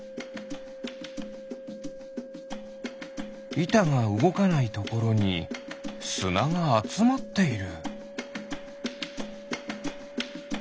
いたがうごかないところにすながあつまっている。